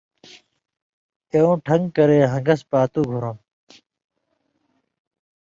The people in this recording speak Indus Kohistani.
اېوں ٹھن٘گ کرے ہن٘گس پاتُو گُھرم۔